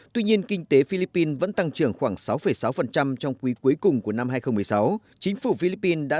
tuy nhiên kinh tế philippines vẫn tăng trưởng khoảng sáu sáu trong quý cuối cùng của năm hai nghìn một mươi sáu